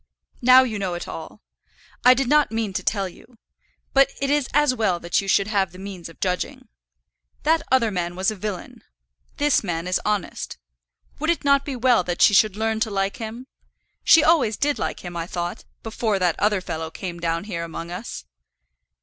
Now you know it all. I did not mean to tell you; but it is as well that you should have the means of judging. That other man was a villain. This man is honest. Would it not be well that she should learn to like him? She always did like him, I thought, before that other fellow came down here among us."